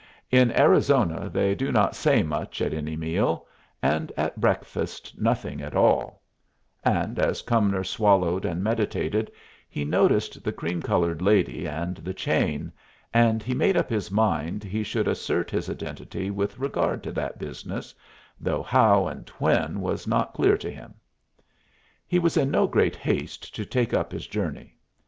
In Arizona they do not say much at any meal, and at breakfast nothing at all; and as Cumnor swallowed and meditated, he noticed the cream colored lady and the chain, and he made up his mind he should assert his identity with regard to that business, though how and when was not clear to him. He was in no great haste to take up his journey.